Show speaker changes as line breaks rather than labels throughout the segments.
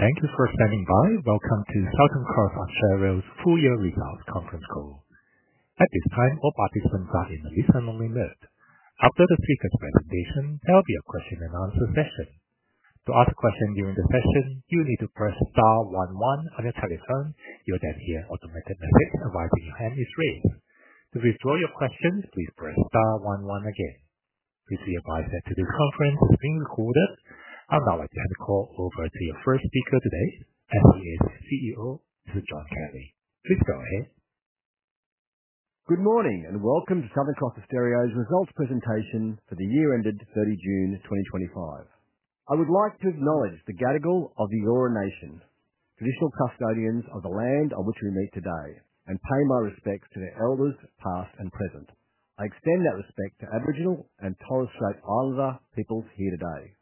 Thank you for standing by. Welcome to Southern Cross Austereo's four-year results conference call. At this time, all participants are in a listen-only mode. After the speaker's presentation, there will be a question and answer session. To ask a question during the session, you need to press star one one on your telephone. You'll then hear an automated message advising your hand is raised. To withdraw your question, please press star one one again. Please be advised that today's conference is being recorded. I'd now like to hand the call over to our first speaker today, who is CEO, John Kelly. Please go ahead.
Good morning and welcome to Southern Cross Austereo's results presentation for the year ended 30 June 2025. I would like to acknowledge the Gadigal of the Eora Nation, traditional custodians of the land on which we meet today, and pay my respects to their elders of past and present. I extend that respect to Aboriginal and Torres Strait Islander peoples here today.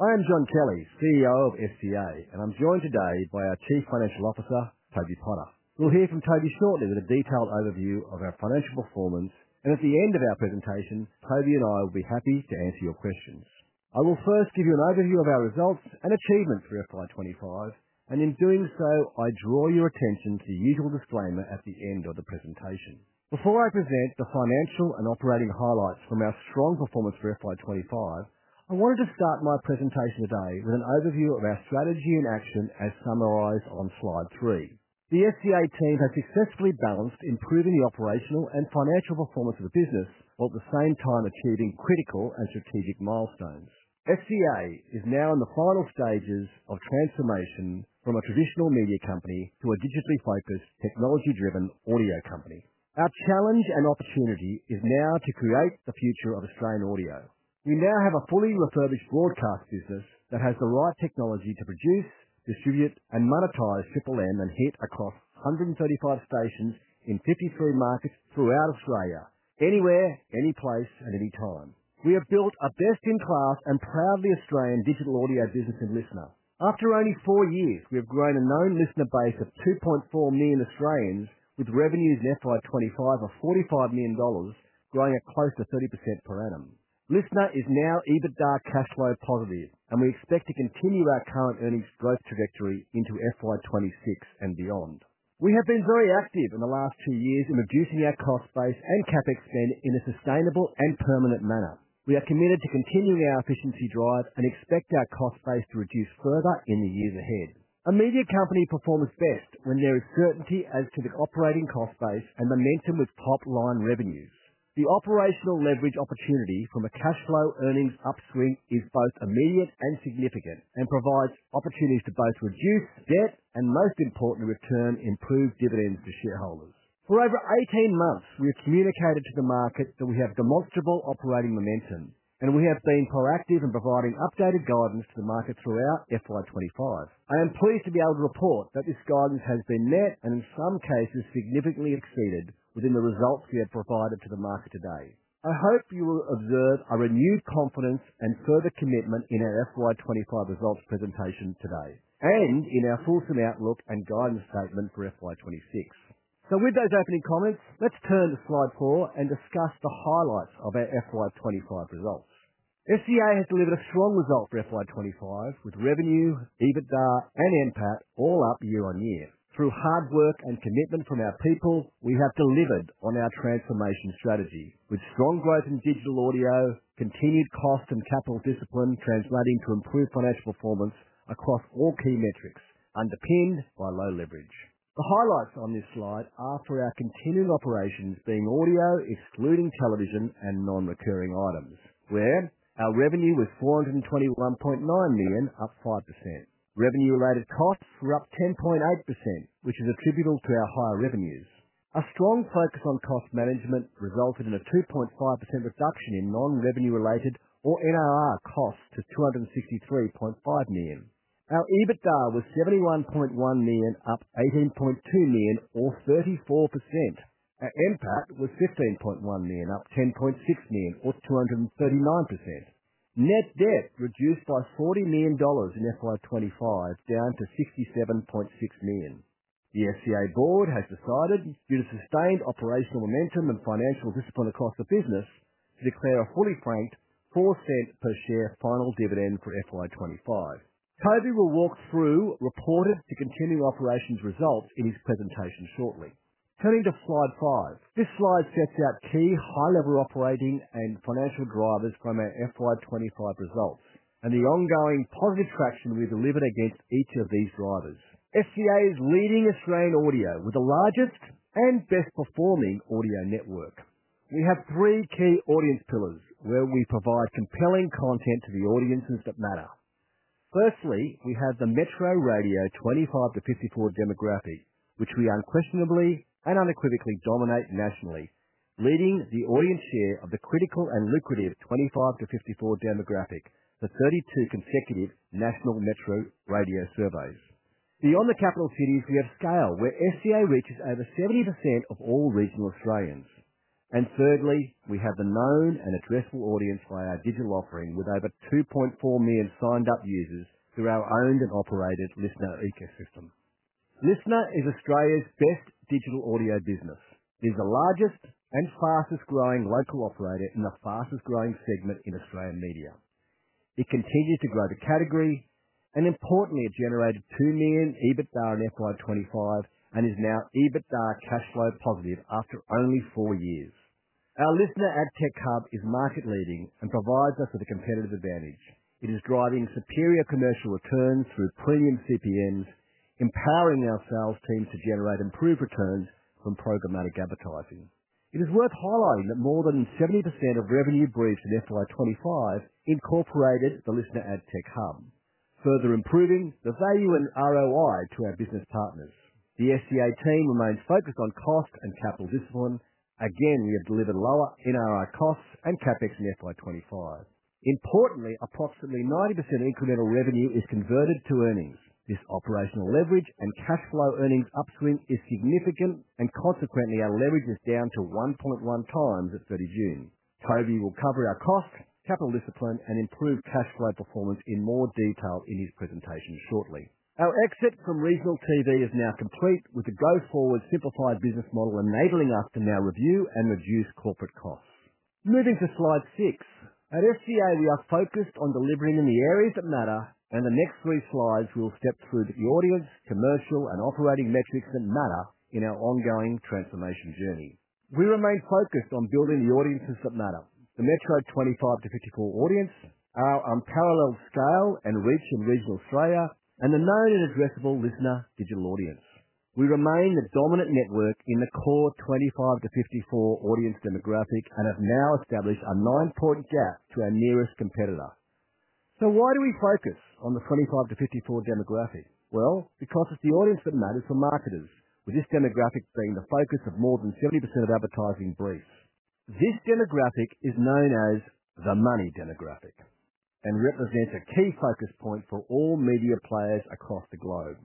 I am John Kelly, CEO of SCA, and I'm joined today by our Chief Financial Officer, Toby Potter. We'll hear from Toby shortly with a detailed overview of our financial performance, and at the end of our presentation, Toby and I will be happy to answer your questions. I will first give you an overview of our results and achievements for FY 2025, and in doing so, I draw your attention to the usual disclaimer at the end of the presentation. Before I present the financial and operating highlights from our strong performance for FY 2025, I wanted to start my presentation today with an overview of our strategy and action as summarized on slide three. The SCA team has successfully balanced improving the operational and financial performance of the business, while at the same time achieving critical and strategic milestones. SCA is now in the final stages of transformation from a traditional media company to a digitally focused, technology-driven audio company. Our challenge and opportunity is now to create the future of Australian audio. We now have a fully refurbished broadcast business that has the right technology to produce, distribute, and monetize Triple M and Hit across 135 stations in 53 markets throughout Australia, anywhere, any place, and any time. We have built a best-in-class and proudly Australian digital audio business in LiSTNR. After only four years, we have grown a known listener base of 2.4 million Australians, with revenues in FY 2025 of $45 million, growing at close to 30% per annum. LiSTNR is now EBITDA cash flow positive, and we expect to continue our current earnings growth trajectory into FY 2026 and beyond. We have been very active in the last two years in reducing our cost base and CapEx spend in a sustainable and permanent manner. We are committed to continuing our efficiency drive and expect our cost base to reduce further in the years ahead. A media company performs best when there is certainty as to the operating cost base and momentum with top line revenues. The operational leverage opportunity from a cash flow earnings upswing is both immediate and significant and provides opportunities to both reduce debt and, most importantly, return improved dividends to shareholders. For over 18 months, we have communicated to the market that we have demonstrable operating momentum, and we have been proactive in providing updated guidance to the market throughout FY 2025. I am pleased to be able to report that this guidance has been met and, in some cases, significantly exceeded within the results we have provided to the market today. I hope you will observe a renewed confidence and further commitment in our FY 2025 results presentation today and in our fulsome outlook and guidance statement for FY 2026. With those opening comments, let's turn to slide four and discuss the highlights of our FY 2025 results. SCA has delivered a strong result for FY 2025 with revenue, EBITDA, and impact all up year-on-year. Through hard work and commitment from our people, we have delivered on our transformation strategy, with strong growth in digital audio, continued cost and capital discipline translating to improved financial performance across all key metrics underpinned by low leverage. The highlights on this slide are for our continuing operations being audio, excluding television and non-recurring items, where our revenue was $421.9 million, up 5%. Revenue-related costs were up 10.8%, which is attributable to our higher revenues. A strong focus on cost management resulted in a 2.5% reduction in non-revenue-related or NRR costs to $263.5 million. Our EBITDA was $71.1 million, up $18.2 million, or 34%. Our impact was $15.1 million, up $10.6 million, or 239%. Net debt reduced by $40 million in FY 2025, down to $67.6 million. The SCA board has decided, due to sustained operational momentum and financial discipline across the business, to declare a fully franked $0.04 per share final dividend for FY 2025. Toby will walk through reported to continuing operations results in his presentation shortly. Turning to slide five, this slide sets out key high-level operating and financial drivers from our FY 2025 results and the ongoing positive traction we've delivered against each of these drivers. SCA is leading Australian audio with the largest and best-performing audio network. We have three key audience pillars where we provide compelling content to the audiences that matter. Firstly, we have the Metro Radio 25–54 demographic, which we unquestionably and unequivocally dominate nationally, leading the audience share of the critical and lucrative 25–54 demographic for 32 consecutive national Metro Radio surveys. Beyond the capital cities, we have scale where SCA reaches over 70% of all regional Australians. Thirdly, we have the known and addressable audience via our digital offering with over 2.4 million signed-up users through our owned and operated LiSTNR ecosystem. LiSTNR is Australia's best digital audio business. It is the largest and fastest growing local operator in the fastest growing segment in Australian media. It continues to grow the category, and importantly, it generated $2 million EBITDA in FY 2025 and is now EBITDA cash flow positive after only four years. Our LiSTNR AdTech Hub is market leading and provides us with a competitive advantage. It is driving superior commercial returns through premium CPMs, empowering our sales teams to generate improved returns from programmatic advertising. It is worth highlighting that more than 70% of revenue reached in FY 2025 incorporated the LiSTNR AdTech Hub, further improving the value and ROI to our business partners. The SCA team remains focused on cost and capital discipline. We have delivered lower NRR costs and CapEx in FY 2025. Importantly, approximately 90% incremental revenue is converted to earnings. This operational leverage on cash flow earnings upswing is significant, and consequently, our leverage is down to 1.1x at 30 June. Toby will cover our cost, capital discipline, and improved cash flow performance in more detail in his presentation shortly. Our exit from regional Television is now complete with a growth-forward simplified business model enabling us to now review and reduce corporate costs. Moving to slide six, at SCA, we are focused on delivering in the areas that matter, and the next three slides will step through the audience, commercial, and operating metrics that matter in our ongoing transformation journey. We remain focused on building the audiences that matter: the Metro 25–54 audience, our unparalleled scale and reach in regional Australia, and the known and addressable LiSTNR digital audience. We remain the dominant network in the core 25–54 audience demographic and have now established a nine-point gap to our nearest competitor. Why do we focus on the 25–54 demographic? Because it's the audience that matters for marketers, with this demographic being the focus of more than 70% of advertising briefs. This demographic is known as the money demographic and represents a key focus point for all media players across the globe.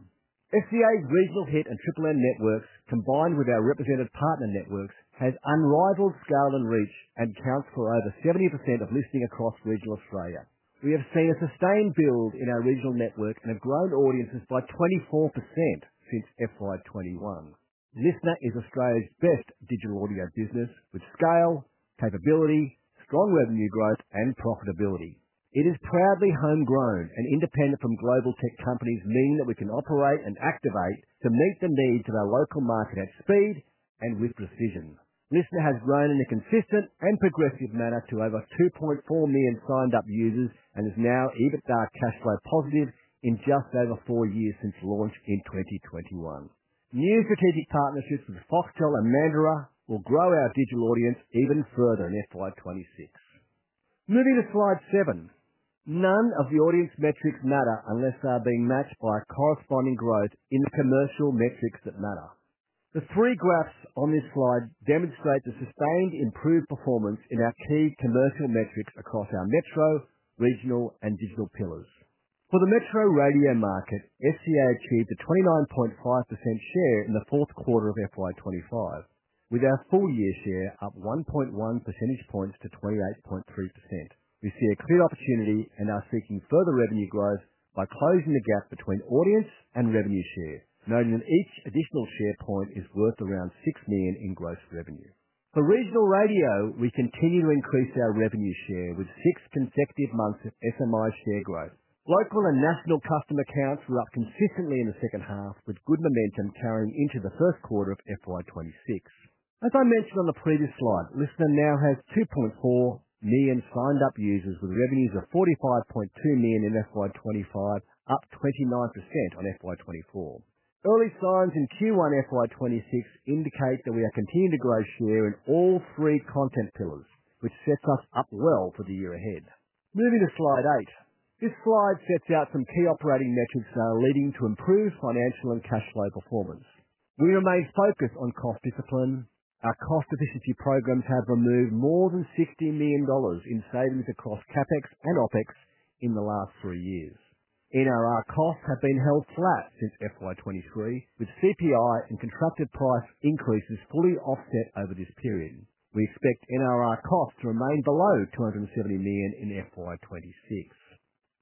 SCA's regional Hit and Triple M networks, combined with our represented partner networks, have unrivaled scale and reach and account for over 70% of listening across regional Australia. We have seen a sustained build in our regional network and have grown audiences by 24% since FY 2021. LiSTNR is Australia's best digital audio business with scale, capability, strong revenue growth, and profitability. It is proudly homegrown and independent from global tech companies, meaning that we can operate and activate to meet the needs of our local market at speed and with precision. LiSTNR has grown in a consistent and progressive manner to over 2.4 million signed-up users and is now EBITDA cash flow positive in just over four years since launch in 2021. New strategic partnerships with Foxtel and Mandaro will grow our digital audience even further in FY 2026. Moving to slide seven, none of the audience metrics matter unless they are being matched by corresponding growth in the commercial metrics that matter. The three graphs on this slide demonstrate a sustained improved performance in our key commercial metrics across our Metro, Regional, and Digital pillars. For the Metro Radio market, SCA achieved a 29.5% share in the fourth quarter of FY 2025 with our full year share up 1.1 percentage points to 28.3%. We see a clear opportunity and are seeking further revenue growth by closing the gap between audience and revenue share, noting that each additional share point is worth around $6 million in gross revenue. For Regional Radio, we continue to increase our revenue share with six consecutive months of SMI share growth. Local and national customer counts were up consistently in the second half, with good momentum carrying into the first quarter of FY 2026. As I mentioned on the previous slide, LiSTNR now has 2.4 million signed-up users with revenues of $45.2 million in FY 2025, up 29% on FY 2024. Early signs in Q1 FY 2026 indicate that we are continuing to grow share in all three content pillars, which sets us up well for the year ahead. Moving to slide eight, this slide sets out some key operating metrics that are leading to improved financial and cash flow performance. We remain focused on cost discipline. Our cost efficiency programs have removed more than $50 million in savings across CapEx and OpEx in the last three years. NRR costs have been held flat since FY 2023, with CPI and contracted price increases fully offset over this period. We expect NRR costs to remain below $270 million in FY 2026.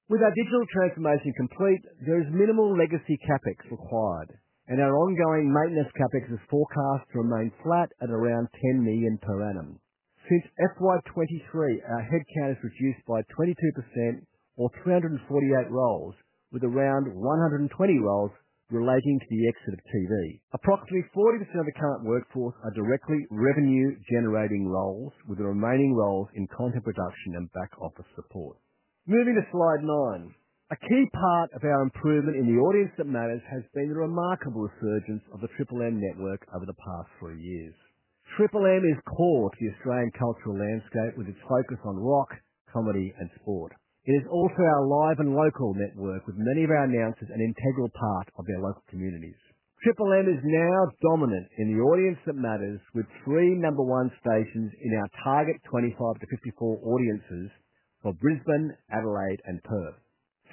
With our digital transformation complete, there is minimal legacy CapEx required, and our ongoing maintenance CapEx is forecast to remain flat at around $10 million per annum. FY 2023, our headcount has reduced by 22% or 348 roles, with around 120 roles relating to the exit of Television. Approximately 40% of the current workforce are directly revenue-generating roles, with the remaining roles in content production and back office support. Moving to slide nine, a key part of our improvement in the audience that matters has been the remarkable resurgence of the Triple M network over the past three years. Triple M is core to the Australian cultural landscape with its focus on rock, comedy, and sport. It is also our live and local network, with many of our announcers an integral part of their local communities. Triple M is now dominant in the audience that matters, with three number one stations in our target 25–54 demographic for Brisbane, Adelaide, and Perth.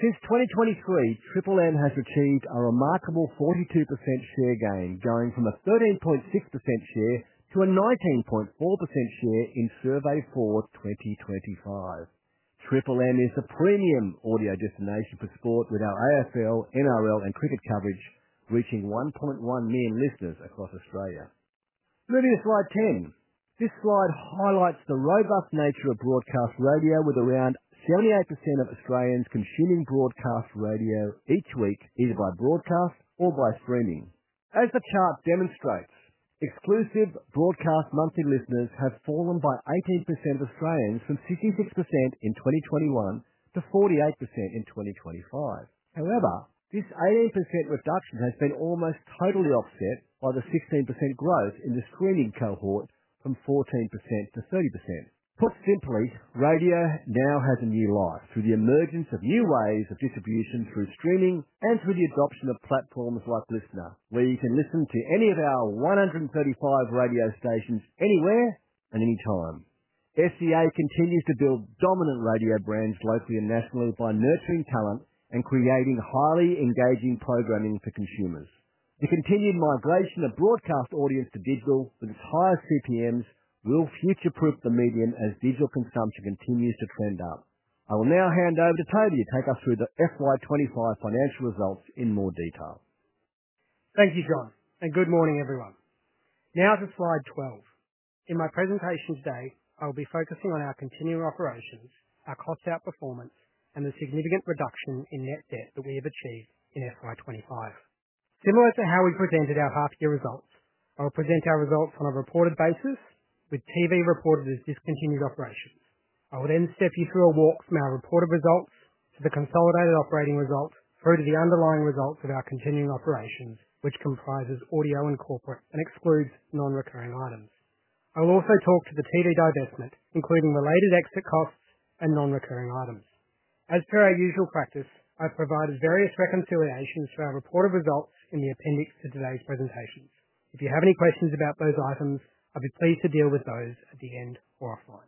Since 2023, Triple M has achieved a remarkable 42% share gain, going from a 13.6% share to a 19.4% share in Surveyfor25. Triple M is a premium audio destination for sport, with our AFL, NRL, and cricket coverage reaching 1.1 million listeners across Australia. Moving to slide ten, this slide highlights the robust nature of broadcast radio, with around 78% of Australians consuming broadcast radio each week, either by broadcast or by streaming. As the chart demonstrates, exclusive broadcast monthly listeners have fallen by 18% of Australians from 66% in 2021 to 48% in 2025. However, this 18% reduction has been almost totally offset by the 16% growth in the streaming cohort from 14%-30%. Put simply, radio now has a new life through the emergence of new ways of distribution through streaming and through the adoption of platforms like LiSTNR, where you can listen to any of our 135 radio stations anywhere and anytime. SCA continues to build dominant radio brands locally and nationally by nurturing talent and creating highly engaging programming for consumers. The continued migration of broadcast audience to digital with its higher CPMs will future-proof the medium as digital consumption continues to trend up. I will now hand over to Toby to take us through the FY 2025 financial results in more detail.
Thank you, John, and good morning, everyone. Now to slide 12. In my presentation today, I will be focusing on our continuing operations, our cost-out performance, and the significant reduction in net debt that we have achieved in FY 2025. Similar to how we presented our half-year results, I will present our results on a reported basis, with Television reported as discontinued operations. I will then step you through a walk from our reported results to the consolidated operating result through to the underlying results of our continuing operations, which comprises audio and corporate and excludes non-recurring items. I will also talk to the Television divestment, including related exit costs and non-recurring items. As per our usual practice, I've provided various reconciliations for our reported results in the appendix to today's presentations. If you have any questions about those items, I'll be pleased to deal with those at the end or offline.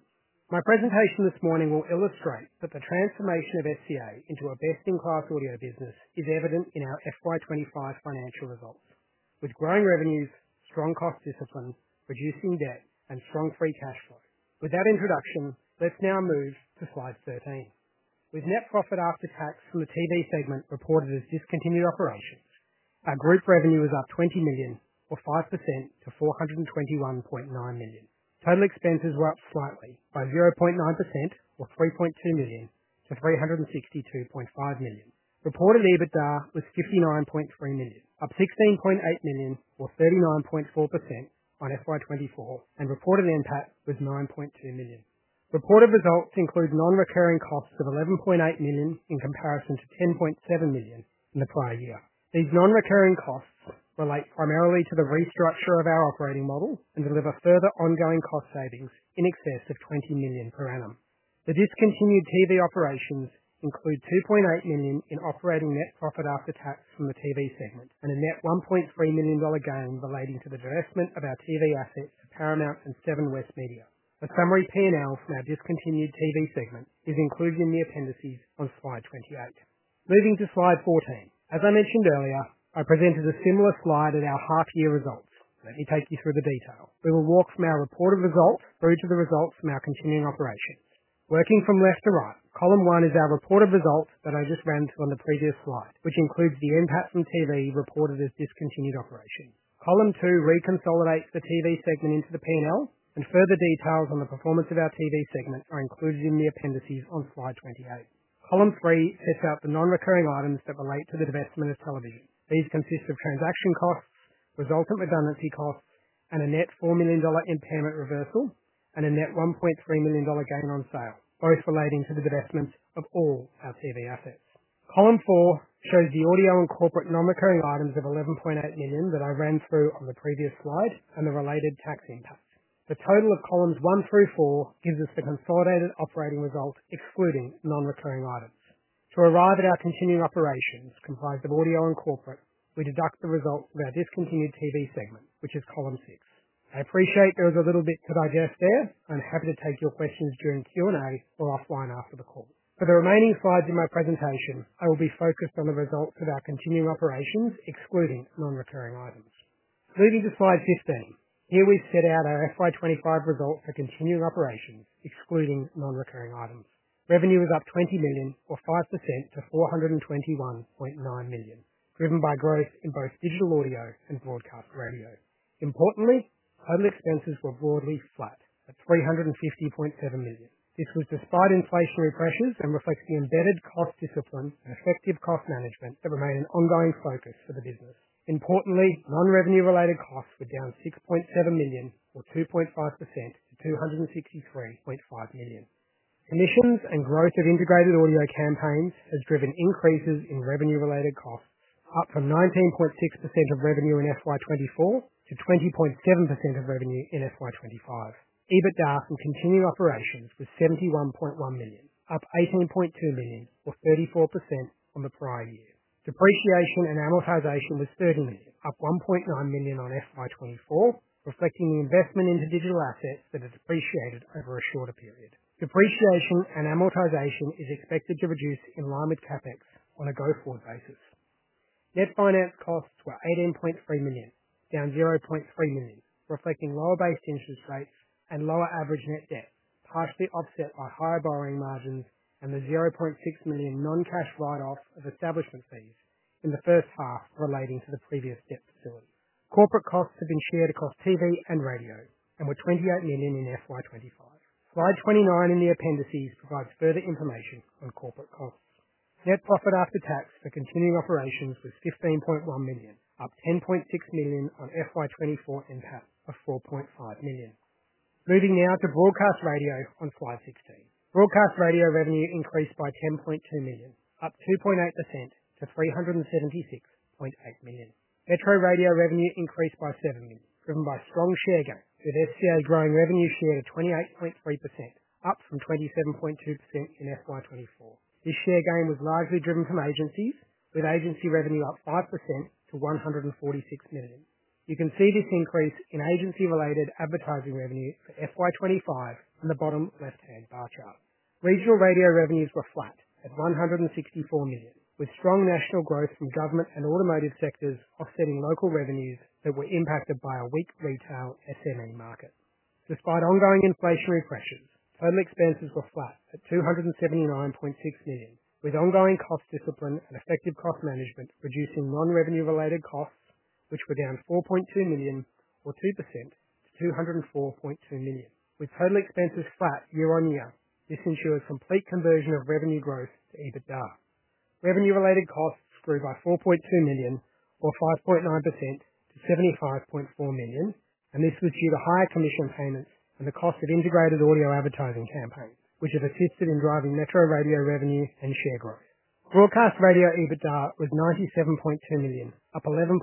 My presentation this morning will illustrate that the transformation of SCA into a best-in-class audio business is evident in our FY 2025 financial results, with growing revenues, strong cost discipline, reducing debt, and strong free cash flow. With that introduction, let's now move to slide 13. With net profit after tax for the Television segment reported as discontinued operations, our group revenue is up $20 million, or 5%, to $421.9 million. Total expenses were up slightly by 0.9%, or $3.2 million, to $362.5 million. Reported EBITDA was $59.3 million, up $16.8 million, or 39.4% on FY 2024, and reported impact was $9.2 million. Reported results include non-recurring costs of $11.8 million in comparison to $10.7 million in the prior year. These non-recurring costs relate primarily to the restructure of our operating model and deliver further ongoing cost savings in excess of $20 million per annum. The discontinued Television operations include $2.8 million in operating net profit after tax from the Television segment and a net $1.3 million gain relating to the divestment of our Television assets to Paramount and Seven Network. The summary P&L from our discontinued Television segment is included in the appendices on slide 28. Moving to slide 14, as I mentioned earlier, I presented a similar slide at our half-year results. Let me take you through the detail. We will walk through our reported results through to the results from our continuing operations. Working from left to right, column one is our reported result that I just ran through on the previous slide, which includes the impact from Television reported as discontinued operations. Column two reconsolidates the Television segment into the P&L, and further details on the performance of our Television segment are included in the appendices on slide 28. Column three sets out the non-recurring items that relate to the divestment of Television. These consist of transaction costs, resultant redundancy costs, a net $4 million impairment reversal, and a net $1.3 million gain on sale, both relating to the divestments of all our Television assets. Column four shows the audio and corporate non-recurring items of $11.8 million that I ran through on the previous slide and the related tax impacts. The total of columns one through four gives us the consolidated operating result, excluding non-recurring items. To arrive at our continuing operations comprised of audio and corporate, we deduct the result of our discontinued Television segment, which is column six. I appreciate there is a little bit to digest there. I'm happy to take your questions during Q&A or offline after the call. For the remaining slides in my presentation, I will be focused on the results of our continuing operations, excluding non-recurring items. Moving to slide 15, here we set out FY 2025 result for continuing operations, excluding non-recurring items. Revenue was up $20 million, or 5%, to $421.9 million, driven by growth in both Digital Audio and broadcast radio. Importantly, home expenses were broadly flat at $350.7 million. This was despite inflationary pressures and reflects the embedded cost discipline and effective cost management that remain an ongoing focus for the business. Importantly, non-revenue-related costs were down $6.7 million, or 2.5%, to $263.5 million. Emissions and growth of integrated audio campaigns has driven increases in revenue-related costs, up from 19.6% of revenue in FY 2024 to 20.7% of revenue in FY 2025. EBITDA from continuing operations was $71.1 million, up $18.2 million, or 34% on the prior year. Depreciation and amortization was $30 million, up $1.9 million FY 2024, reflecting the investment into digital assets that have depreciated over a shorter period. Depreciation and amortization is expected to reduce in line with CapEx on a go-forward basis. Debt finance costs were $18.3 million, down $0.3 million, reflecting lower base interest rates and lower average net debt, partially offset by higher borrowing margins and the $0.6 million non-cash write-off of establishment fees in the first half relating to the previous debt facility. Corporate costs have been shared across Television and radio and were $28 million in FY 2025. Slide 29 in the appendices provides further information on corporate costs. Net profit after tax for continuing operations was $15.1 million, up $10.6 million on FY 2024 impact of $4.5 million. Moving now to broadcast radio on slide 16. Broadcast radio revenue increased by $10.2 million, up 2.8% to $376.8 million. Metro Radio revenue increased by $7 million, driven by strong share gain, with SCA growing revenue share to 28.3%, up from 27.2% in FY 2024. This share gain was largely driven from agencies, with agency revenue up 5% to $146 million. You can see this increase in agency-related advertising revenue for FY 2025 in the bottom left-hand bar chart. Regional Radio revenues were flat at $164 million, with strong national growth from government and automotive sectors offsetting local revenues that were impacted by a weak retail SMM market. Despite ongoing inflationary pressures, home expenses were flat at $279.6 million, with ongoing cost discipline and effective cost management reducing non-revenue-related costs, which were down $4.2 million, or 2%, to $204.2 million. With total expenses flat year on year, this ensures complete conversion of revenue growth to EBITDA. Revenue-related costs grew by $4.2 million, or 5.9%, to $75.4 million, and this was due to higher commission payments and the cost of integrated audio advertising campaigns, which have assisted in driving Metro Radio revenue and share growth. Broadcast radio EBITDA was $97.2 million, up 11.5%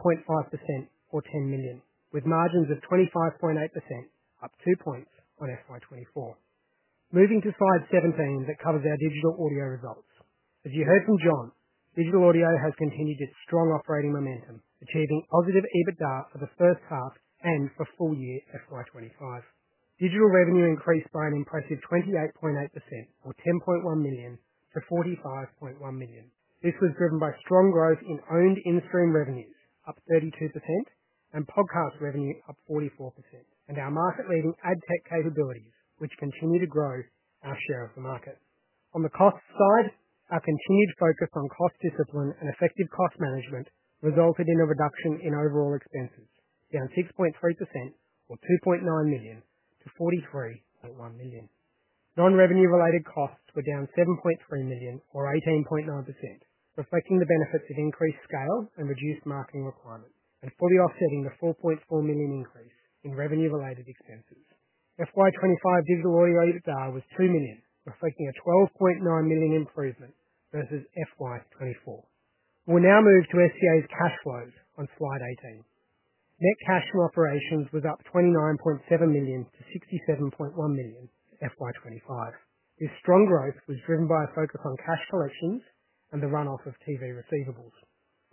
or $10 million, with margins of 25.8%, up two points on FY 2024. Moving to slide 17 that covers our Digital Audio results. As you heard from John, Digital Audio has continued its strong operating momentum, achieving a positive EBITDA for the first half and the full year FY 2025. Digital revenue increased by an impressive 28.8% or $10.1 million to $45.1 million. This was driven by strong growth in owned in-stream revenues, up 32%, and podcast revenue up 44%, and our market-leading ad tech capabilities, which continue to grow our share of the market. On the cost side, our continued focus on cost discipline and effective cost management resulted in a reduction in overall expenses, down 6.3% or $2.9 million-$43.1 million. Non-revenue-related costs were down $7.3 million or 18.9%, reflecting the benefits of increased scale and reduced marketing requirements, and fully offsetting the $4.4 million increase in revenue-related expenses. FY 2025 Digital Audio EBITDA was $2 million, reflecting a $12.9 million improvement versus FY 2024. We'll now move to SCA's cash flows on slide 18. Net cash from operations was up $29.7 million-$67.1 million for FY 2025, with strong growth, which was driven by a focus on cash collections and the runoff of Television receivables.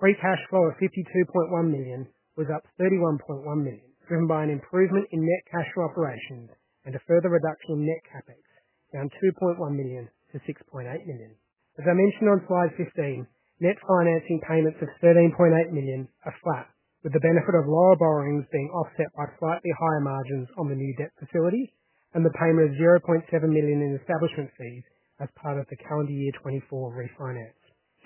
Free cash flow of $52.1 million was up $31.1 million, driven by an improvement in net cash for operations and a further reduction in net CapEx, down $2.1 million- $6.8 million. As I mentioned on slide 15, net financing payments of $13.8 million are flat, with the benefit of lower borrowings being offset by slightly higher margins on the new debt facility and the payment of $0.7 million in establishment fees as part of the calendar year 2024 refinance.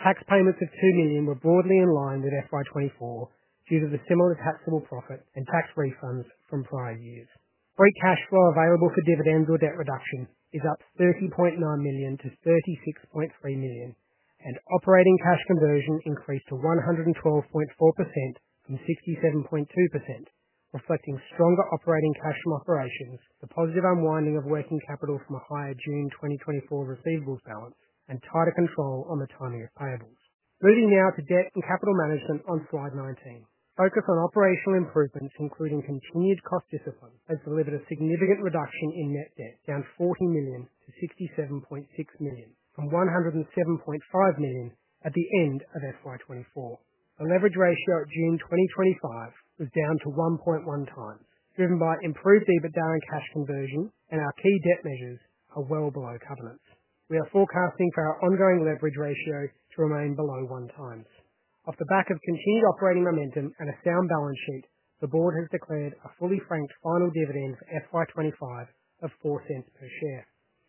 Tax payments of $2 million were broadly in line with FY 2024 due to the similar taxable profit and tax refunds from prior years. Free cash flow available for dividends or debt reduction is up $30.9 million-$36.3 million, and operating cash conversion increased to 112.4% from 67.2%, reflecting stronger operating cash from operations, the positive unwinding of working capital from a higher June 2024 receivables balance, and tighter control on maternity payables. Moving now to debt and capital management on slide 19. Focus on operational improvements, including continued cost discipline, has delivered a significant reduction in net debt, down $40 million-$67.6 million from $107.5 million at the end of FY 2024. The leverage ratio at June 2025 was down to 1.1x, driven by improved EBITDA and cash conversion, and our key debt meters are well below covenants. We are forecasting for our ongoing leverage ratio to remain below 1x. Off the back of continued operating momentum and a sound balance sheet, the board has declared a fully franked final dividend for FY 2025 of $0.04 per share.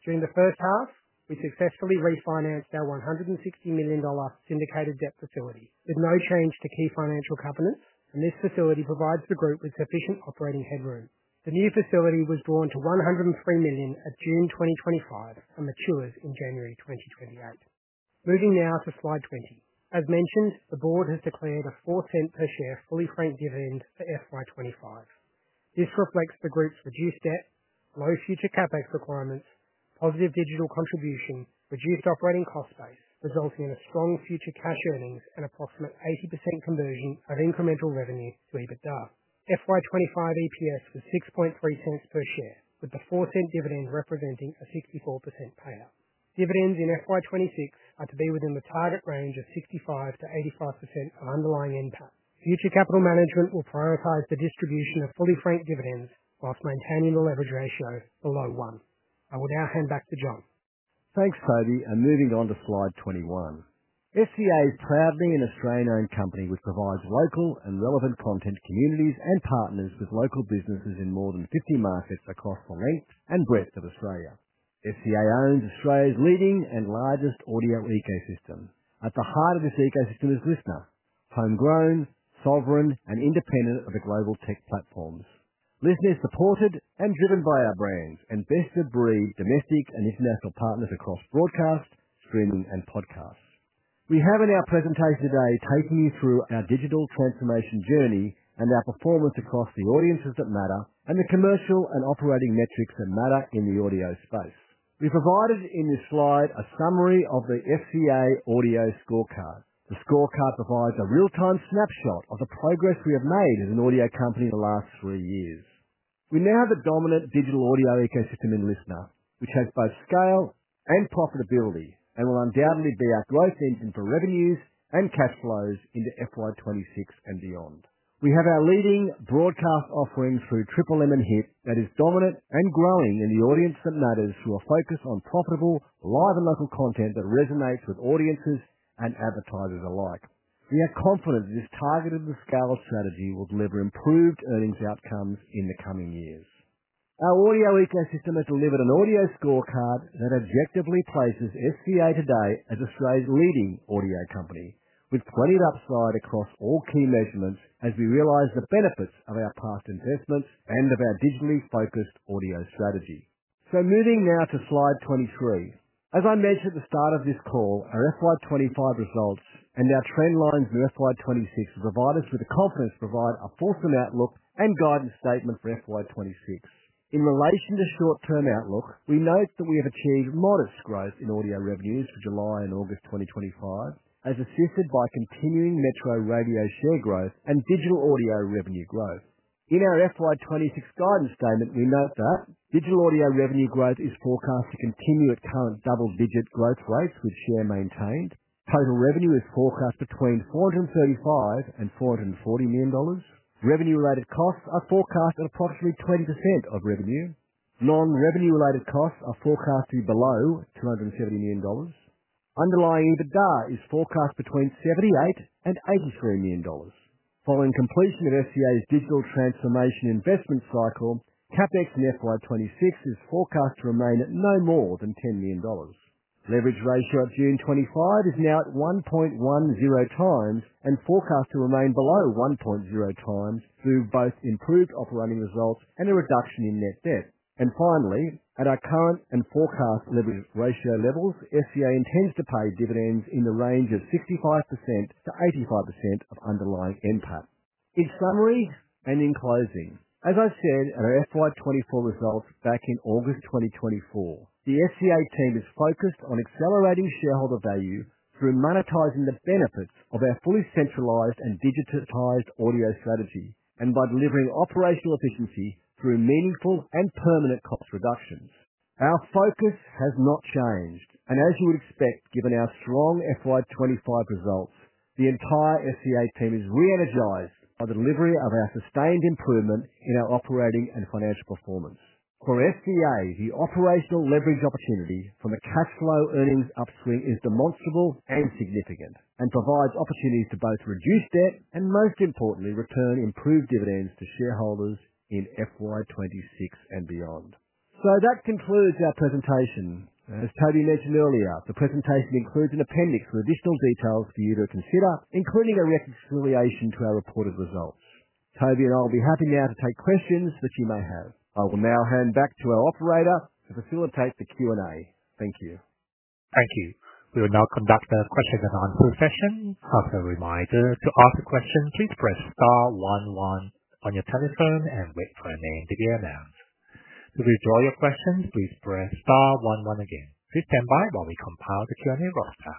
During the first half, we successfully refinanced our $160 million syndicated debt facility with no change to key financial covenants, and this facility provides the group with sufficient operating headroom. The new facility was drawn to $103 million at June 2025 and matures in January 2028. Moving now to slide 20. As mentioned, the board has declared a $0.04 per share fully franked dividend for FY 2025. This reflects the group's reduced debt, low future CapEx requirements, positive digital contribution, reduced operating cost base, resulting in strong future cash earnings and approximate 80% conversion of incremental revenue to EBITDA. FY 2025 EPS was $0.063 per share, with the $0.04 dividend representing a 64% payout. Dividends in FY 2026 are to be within the target range of 65%-85% for underlying impact. Future capital management will prioritize the distribution of fully franked dividends whilst maintaining the leverage ratio below one. I will now hand back to John.
Thanks, Toby, and moving on to slide 21. SCA is proud to be an Australian-owned company, which provides local and relevant content communities and partners with local businesses in more than 50 markets across the length and breadth of Australia. SCA owns Australia's leading and largest audio ecosystem. At the heart of this ecosystem is LiSTNR, homegrown, sovereign, and independent of the global tech platforms. LiSTNR is supported and driven by our brands, and best of breed domestic and international partners across broadcast, streaming, and podcasts. We have in our presentation today taken you through our digital transformation journey and our performance across the audiences that matter and the commercial and operating metrics that matter in the audio space. We provided in this slide a summary of the SCA audio scorecard. The scorecard provides a real-time snapshot of the progress we have made as an audio company in the last three years. We now have a dominant digital audio ecosystem in LiSTNR, which has both scale and profitability and will undoubtedly be our growth engine for revenues and cash flows into FY 2026 and beyond. We have our leading broadcast offering through Triple M and Hit that is dominant and growing in the audience that matters through a focus on profitable live and local content that resonates with audiences and advertisers alike. We are confident that this targeted scale of strategy will deliver improved earnings outcomes in the coming years. Our audio ecosystem has delivered an audio scorecard that objectively places SCA today as Australia's leading audio company, with plenty of upside across all key measurements as we realize the benefits of our past investments and of our deeply focused audio strategy. Moving now to slide 23. As I mentioned at the start of this call, our FY 2025 results and our trend lines in FY 2026 provide us with the confidence to provide a fulsome outlook and guidance statement for FY 2026. In relation to short-term outlook, we note that we have achieved modest growth in audio revenues for July and August 2025, as assisted by continuing Metro Radio show growth and digital audio revenue growth. In our FY 2026 guidance statement, we note that digital audio revenue growth is forecast to continue at current double-digit growth rates with share maintained. Total revenue is forecast between $435 million and $440 million. Revenue-related costs are forecast at approximately 20% of revenue. Non-revenue-related costs are forecast to be below $207 million. Underlying EBITDA is forecast between $78 million and $83 million. Following completion of SCA's digital transformation investment cycle, CapEx in FY 2026 is forecast to remain at no more than $10 million. Leverage rate throughout June 2025 is now at 1.10x and forecast to remain below 1.0x through both improved operating results and a reduction in net debt. Finally, at our current and forecast leverage ratio levels, SCA intends to pay dividends in the range of 65%-85% of underlying impact. In summary and in closing, as I said in our FY 2024 results back in August 2024, the SCA team is focused on accelerating shareholder value through monetizing the benefits of our fully centralized and digitized audio strategy and by delivering operational efficiency through meaningful and permanent cost reductions. Our focus has not changed, and as you would expect, given our strong FY 2025 results, the entire SCA team is re-energized by the delivery of our sustained improvement in our operating and financial performance. For SCA, the operational leverage opportunity from a cash flow earnings upswing is demonstrable and significant and provides opportunities to both reduce debt and, most importantly, return improved dividends to shareholders in FY 2026 and beyond. That concludes our presentation. As Toby mentioned earlier, the presentation includes an appendix with additional details for you to consider, including a direct affiliation to our reported results. Toby and I will be happy now to take questions that you may have. I will now hand back to our operator to facilitate the Q&A. Thank you.
Thank you. We will now conduct our question and answer session. As a reminder, to ask a question, please press star one one on your telephone and wait for your name to be announced. If you withdraw your question, please press star one one again. Please stand by while we compile the Q&A roster.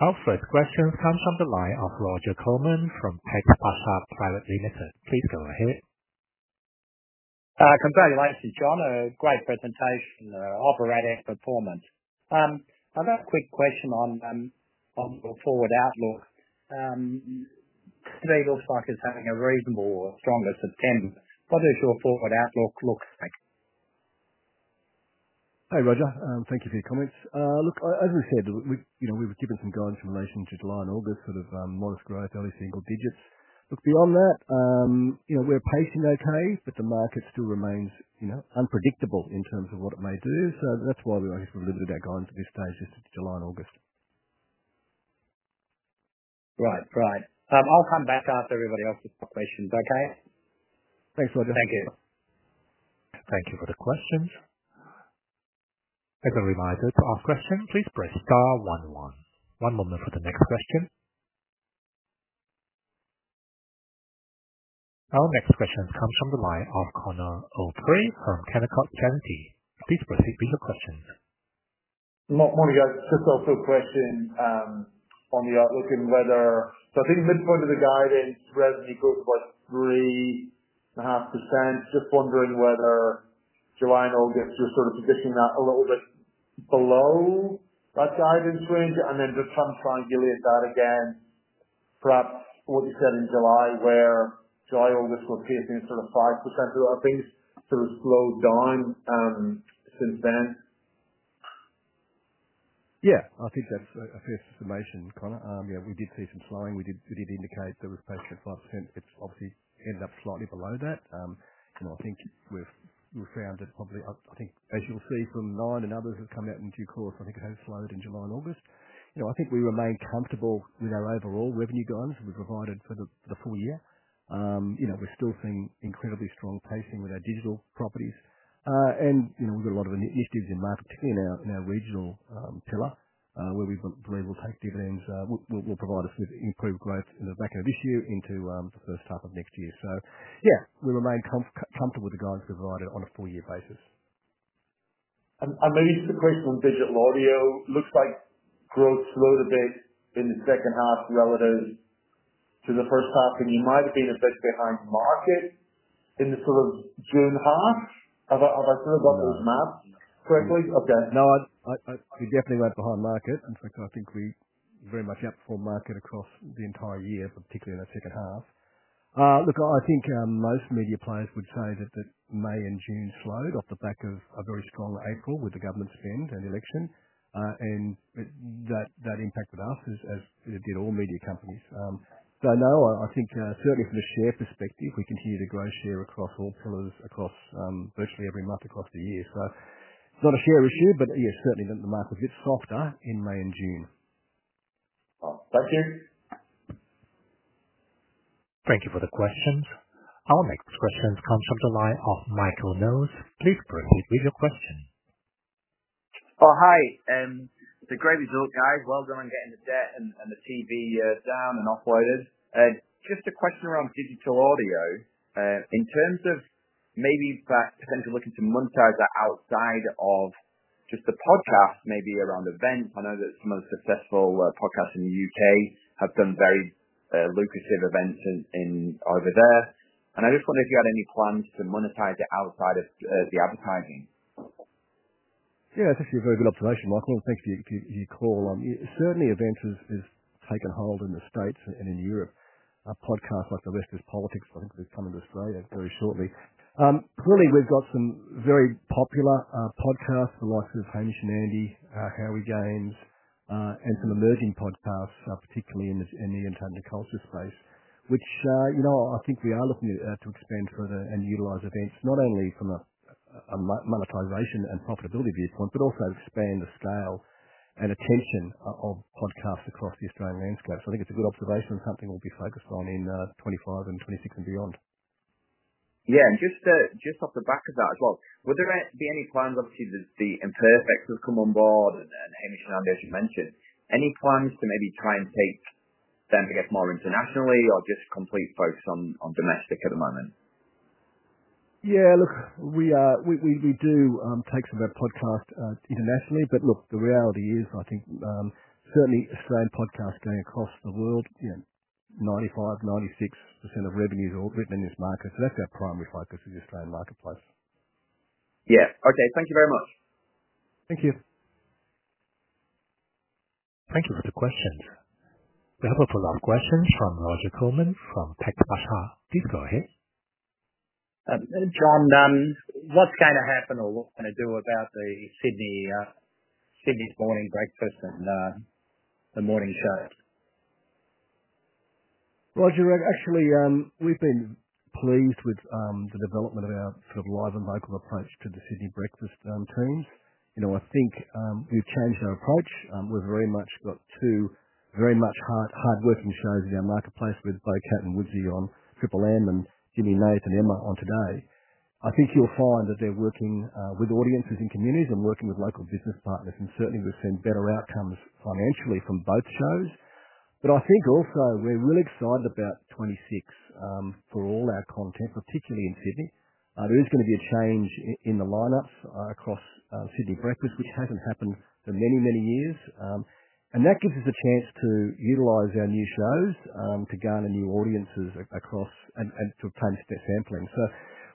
Our first question comes from the line of Roger Colman from [Paper Passage Pilot Ltd.] Please go ahead. Congratulations, John. A great presentation, operator's performance. I've got a quick question on your forward outlook. Today looks like it's having a reasonably stronger September. What does your forward outlook look like?
Hi Roger, thank you for your comments. As we said, we were given some guidance in relation to July and August, sort of modest growth, only single digits. Beyond that, we're pacing okay, but the market still remains unpredictable in terms of what it may do. That's why we're a little bit out of guidance at this stage as to July and August. Right, right. I'll come back after everybody else has got questions, okay? Thanks, Roger. Thank you.
Thank you for the questions. As a reminder, to ask questions, please press star one one. One moment for the next question. Our next question comes from the line of Connor [Oldgrave] from [Canucott Charity]. Please proceed with your questions. Not much. I just also question, on the outlook and whether, so I think midpoint of the guidance revenue growth was about 3.5%. Just wondering whether July and August was sort of positioned that a little bit below that guidance range, and then just trying to give that again, perhaps what you said in July, where July and August were pacing sort of 5%, if things sort of slowed down since then.
Yeah, I think that's a fair summation, Connor. Yeah, we did see some slowing. We did indicate that we were paced at 5%, but obviously ended up slightly below that. I think we've found that, obviously, as you'll see from Nine and others that come out in due course, it has slowed in July and August. I think we remain comfortable with the overall revenue guidance that was provided for the full year. We're still seeing incredibly strong pacing with our digital properties, and there's a lot of initiatives in marketing in our regional pillar, where we've got to be able to take dividends, which will provide us with improved growth in the back end of this year into the first half of next year. Yeah, we remain comfortable with the guidance provided on a full-year basis. I noticed the question on Digital Audio. It looks like growth slowed a bit in the second half relative to the first half. You might have been a bit behind market in the sort of June half. Have I got that mapped correctly? No, we definitely went behind market. In fact, I think we very much outperformed market across the entire year, particularly in the second half. I think most media players would say that May and June slowed off the back of a very strong April with the government's spend and the election. That impacted us as it did all media companies. I think, certainly from the share perspective, we continue to grow share across all pillars virtually every month across the year. It's not a share issue, but yeah, certainly the market was a bit softer in May and June. Oh, thank you.
Thank you for the questions. Our next question comes from the line of Michael Knowles. Please proceed with your question. Oh, hi. It's a great result, guys. Well done on getting the debt and the TV down and offloaded. Just a question around Digital Audio. In terms of maybe back to when you're looking to monetize that outside of just the podcast, maybe around events. I know that some of the successful podcasts in the U.K. have done very lucrative events over there. I just wonder if you had any plans to monetize it outside of the advertising.
Yeah, that's actually a very good observation, Michael. Thank you for your call. Certainly events have taken hold in the States and in Europe. A podcast like The West is Politics will come into Australia very shortly. Clearly we've got some very popular podcasts, the likes of Hamish and Andy, How We Game, and some emerging podcasts, particularly in the entertainment culture space, which I think we are looking at to expand further and utilize events, not only from a monetization and profitability viewpoint, but also expand the scale and attention of podcasts across the Australian landscape. I think it's a good observation and something we'll be focused on in 2025 and 2026 and beyond. Yeah, just off the back of that as well, would there be any plans? Obviously, there's The Imperfects has come on board and Hamish and Andy as you mentioned. Any plans to maybe try and take them, I guess, more internationally or just complete focus on domestic at the moment? Yeah, look, we do take some of our podcasts internationally, but the reality is I think certainly Australian podcasts going across the world, 95%, 96% of revenue is all written in this market. That's our primary focus in the Australian marketplace. Yeah, okay. Thank you very much. Thank you.
Thank you for the questions. We have a follow-up question from Roger Coleman from [Tech Bashar]. Please go ahead. John, what's going to happen or what can I do about the Sydney, Sydney's morning breakfast and the morning shows?
Roger, actually, we've been pleased with the development of our sort of live and local approach to the Sydney breakfast team. I think we've changed our approach. We've very much got two very hard-working shows in our marketplace with both Cat and Woody on Triple M and Jimmy and Nate and Emma on Today. I think you'll find that they're working with audiences and communities and working with local business partners, and certainly we've seen better outcomes financially from both shows. I think also we're really excited about 2026 for all our content, particularly in Sydney. There is going to be a change in the lineups across Sydney breakfast, which hasn't happened for many years. That gives us a chance to utilize our new shows to gain a new audience and to obtain step sampling.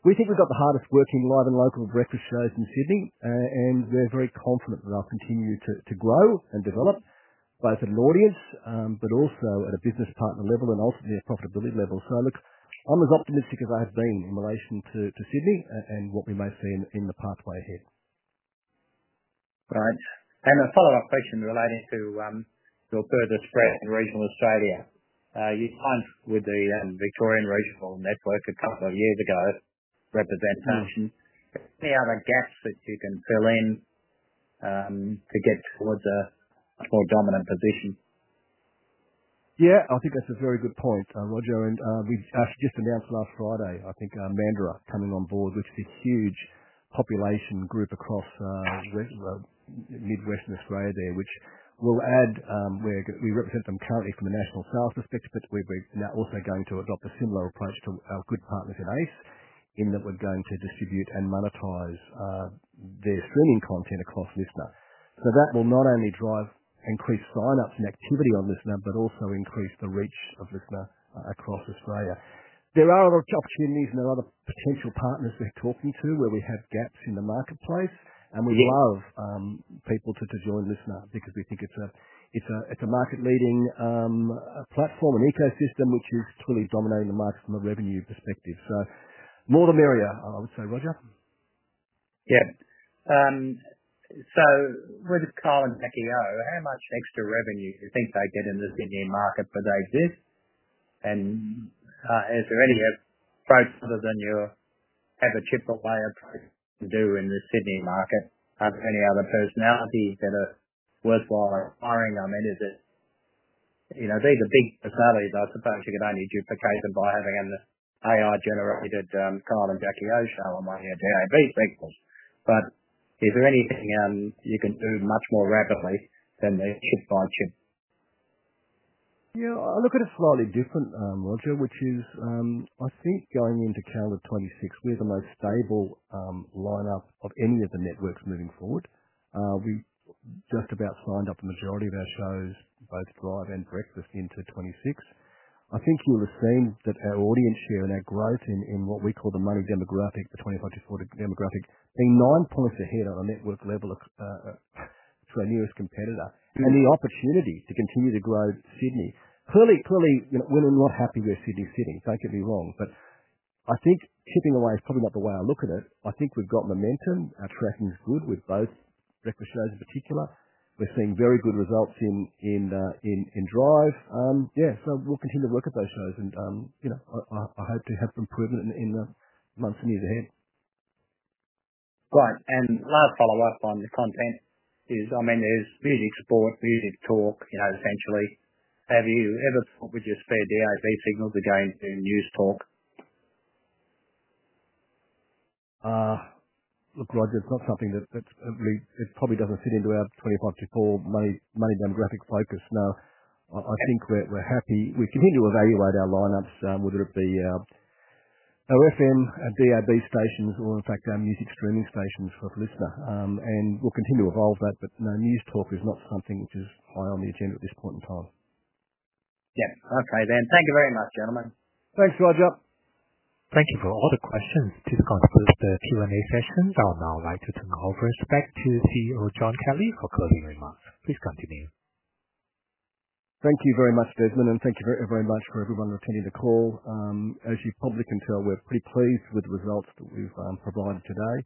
We think we've got the hardest working live and local breakfast shows in Sydney, and they're very confident that they'll continue to grow and develop both at an audience, but also at a business partner level and ultimately a profitability level. I'm as optimistic as I have been in relation to Sydney and what we may see in the pathway ahead. Right. A follow-up question relating to your further spread in regional Australia. You've tied with the Victorian Regional Network a couple of years ago for representation. Any other gaps that you can fill in to get towards a more dominant position? Yeah, I think that's a very good point, Roger. We've just announced last Friday, I think, Mandaro coming on board with this huge population group across the Midwestern Australia there, which will add, where we represent them currently from the National South perspective, but we're now also going to adopt a similar approach to our good partners in ACE in that we're going to distribute and monetize their streaming content across LiSTNR. That will not only drive increased sign-ups and activity on LiSTNR, but also increase the reach of LiSTNR across Australia. There are other opportunities and there are other potential partners we're talking to where we have gaps in the marketplace, and we love people to join LiSTNR because we think it's a market-leading platform and ecosystem, which is truly dominating the market from a revenue perspective. More the merrier, I would say, Roger. Yeah, with this Kyle and Jackie O, how much extra revenue do you think they did in the Sydney market for those years? Is there any approach other than your Triple M approach to do in the Sydney market? Are there any other personalities that are worthwhile hiring? I mean, these are big personalities. I suppose you could only duplicate them by having an AI-generated Kyle and Jackie O show, in my head there, and these people. Is there anything you can do much more rapidly than the Hit by chip? Yeah, I look at it slightly different, Roger, which is, I think going into calendar 2026, we have the most stable lineup of any of the networks moving forward. We just about signed up the majority of our shows, both drive and breakfast, into 2026. I think you'll have seen that our audience share and our growth in what we call the money demographic, the 25–54 demographic, being nine points ahead on a network level of our newest competitor, giving the opportunity to continue to grow Sydney. Clearly, you know, women are not happy with Sydney City. Don't get me wrong. I think chipping away is probably not the way I look at it. I think we've got momentum. Our tracking is good with both breakfast shows in particular. We're seeing very good results in drive. We'll continue to work at those shows and, you know, I hope to have some improvement in the months and years ahead. Right. Last follow-up on the content is, I mean, there's music support, music talk, you know, essentially. Have you ever thought we just paid the AV signal to go into news talk? Look, Roger, it's not something that probably doesn't fit into our 25–54 money demographic focus. I think we're happy. We continue to evaluate our lineups, whether it be our FM and DAB stations or, in fact, our music streaming stations for LiSTNR, and we'll continue to evolve that, but news talk is not something which is high on the agenda at this point in time. Thank you very much, gentlemen. Thanks, Roger.
Thank you for all the questions. To conclude the Q&A session, I'll now hand it in all respect to CEO John Kelly for closing remarks. Please continue.
Thank you very much, Desmond, and thank you very, very much for everyone attending the call. As you probably can tell, we're pretty pleased with the results that we've provided today.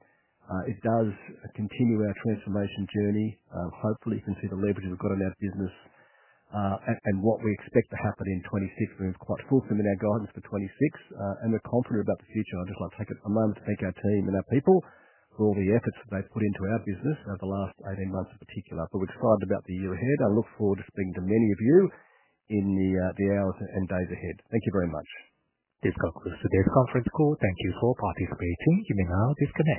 It does continue our transformation journey. Hopefully, you can see the leverage we've got in our business, and what we expect to happen in 2026 remains quite fulsome in our guidance for 2026. We're confident about the future. I'd just like to take a moment to thank our team and our people for all the efforts that they've put into our business over the last 18 months in particular. We're excited about the year ahead. I look forward to speaking to many of you in the hours and days ahead. Thank you very much.
This concludes today's conference call. Thank you for participating. You may now disconnect.